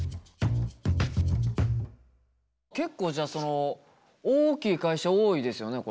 結構じゃあその大きい会社多いですよねこれ。